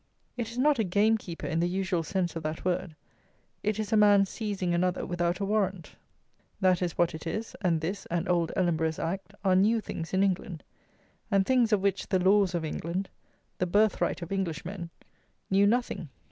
It is not a gamekeeper in the usual sense of that word; it is a man seizing another without a warrant. That is what it is; and this, and Old Ellenborough's Act, are new things in England, and things of which the laws of England, "the birthright of Englishmen," knew nothing.